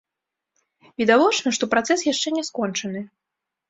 Відавочна, што працэс яшчэ не скончаны.